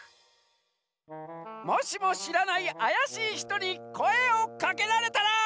もしもしらないあやしいひとにこえをかけられたら！